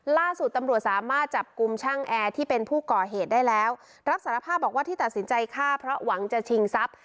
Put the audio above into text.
ล่าสุดตำรวจสามารถจับกลุ่มช่างแอร์ที่เป็นผู้ก่อเหตุได้แล้วรับสารภาพบอกว่าที่ตัดสินใจฆ่าเพราะหวังจะชิงทรัพย์